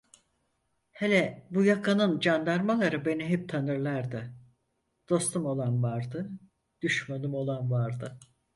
Hele bu yakaların candarmaları beni hep tanırlardı, dostum olan vardı, düşmanım olan vardı.